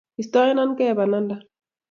Istoenkei pananda.